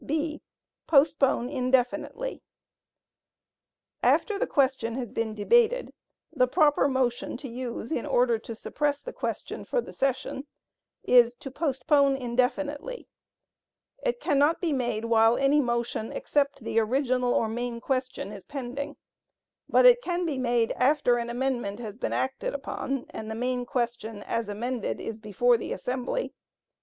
(b) Postpone indefinitely. After the question has been debated, the proper motion to use in order to suppress the question for the session, is to postpone indefinitely. It cannot be made while any motion except the original or main question is pending, but it can be made after an amendment has been acted upon, and the main question, as amended, is before the assembly.